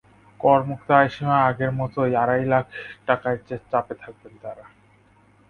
করমুক্ত আয়সীমা আগের মতোই আড়াই লাখ টাকা রাখায় চাপে থাকবেন তাঁরা।